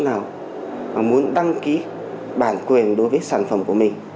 nào mà muốn đăng ký bản quyền đối với sản phẩm của mình